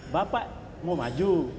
bapak mau maju